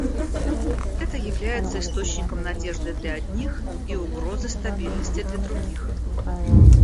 Это является источником надежды для одних и угрозой стабильности для других.